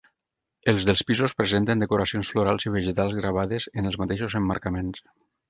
Els dels pisos presenten decoracions florals i vegetals gravades en els mateixos emmarcaments.